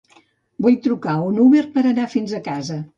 Vull trucar un Uber per anar fins a casa.